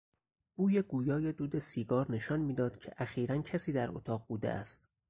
بوی گویای دود سیگار نشان میداد که اخیرا کسی در اتاق بوده است.